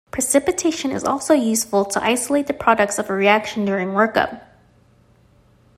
Precipitation is also useful to isolate the products of a reaction during workup.